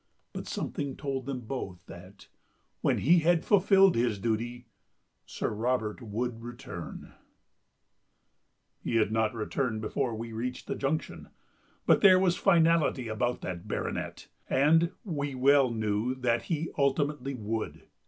But something told them both that, when he had fulfilled his duty, Sir Robert would return ...." He had not returned before we reached the Junction, but there was finality about that baronet, and we well knew that he ultimately would.